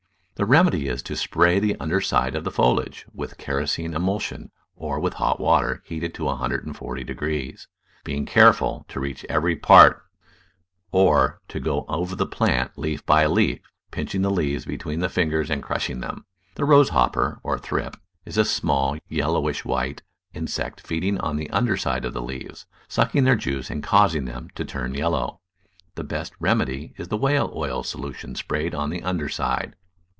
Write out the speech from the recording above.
The remedy is to spray the under side of the foliage with kerosene emulsion, or with hot water heated to 140 , being careful to reach every part, or to go over the plant leaf by leaf, pinching the leaves between the fingers and crushing them. The rose hopper, or thrip, is a small, yellowish white insect feeding on the under side of the leaves, sucking their juice and causing them to turn yellow. The best remedy is the whale oil solution sprayed on the under side.